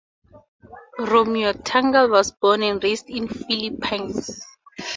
Romeo Tanghal was born and raised in the Philippines.